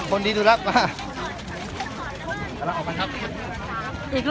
ก็ไม่มีใครกลับมาเมื่อเวลาอาทิตย์เกิดขึ้น